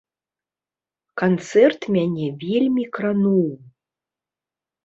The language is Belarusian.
Канцэрт мяне вельмі крануў.